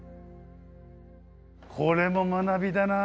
これも学びだな。